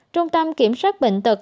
trung tâm kiểm soát bệnh tật